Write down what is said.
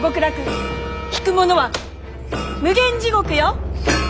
引く者は無間地獄よ！